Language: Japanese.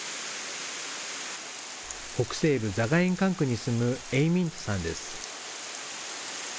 北西部ザガイン管区に住むエイ・ミィントさんです。